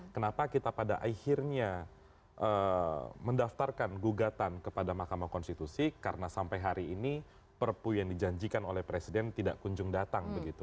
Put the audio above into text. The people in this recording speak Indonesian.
kenapa kita pada akhirnya mendaftarkan gugatan kepada mahkamah konstitusi karena sampai hari ini perpu yang dijanjikan oleh presiden tidak kunjung datang begitu